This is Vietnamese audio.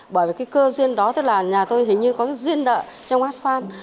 bởi vì cơ duyên đó nhà tôi hình như có duyên nợ trong hát xoan